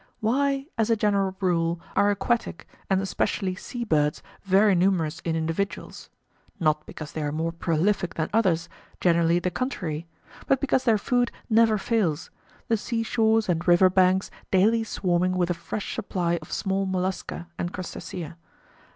Why, as a general rule, are aquatic, and especially sea birds, very numerous in individuals? Not because they are more prolific than others, generally the contrary; but because their food never fails, the sea shores and river banks daily swarming with a fresh supply of small mollusca and crustacea.